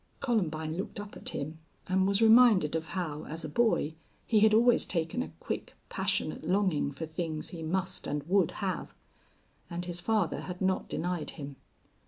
Columbine looked up at him and was reminded of how, as a boy, he had always taken a quick, passionate longing for things he must and would have. And his father had not denied him.